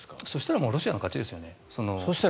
そうしたらロシアの勝ちですよね。